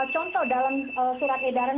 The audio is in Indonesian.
contoh dalam surat edaran